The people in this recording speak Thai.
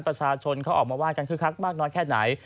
ประชาชนเขาออกมาไห้กันคือคักมากน้อยแค่ไหน